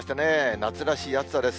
夏らしい暑さです。